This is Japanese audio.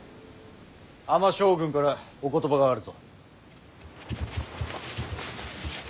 尼将軍からお言葉があるぞ。